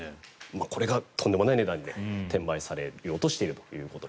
これがとんでもない値段で転売されようとしていると。